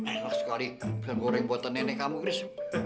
enak sekali goreng buatan nenek kamu chris